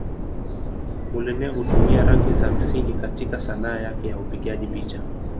Muluneh hutumia rangi za msingi katika Sanaa yake ya upigaji picha.